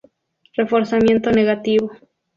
Reforzamiento negativo.